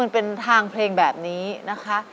ประทางเพลงแบบนี้นะคะ